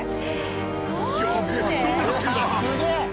ヤベッどうなってんだ？